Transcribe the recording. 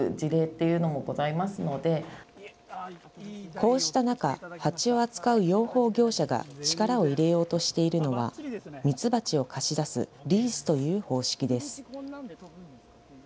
こうした中、蜂を扱う養蜂業者が力を入れようとしているのはミツバチを貸し出すリースという方式です。